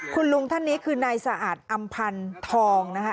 คุณลุงท่านนี้คือนายสะอาดอำพันธ์ทองนะคะ